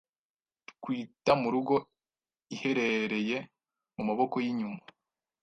twita murugo iherereye mumaboko yinyuma